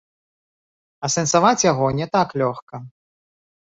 Асэнсаваць яго не так лёгка.